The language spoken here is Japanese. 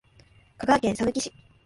香川県さぬき市